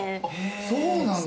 そうなんだ。